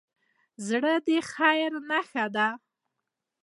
زړه د خیر نښه ده.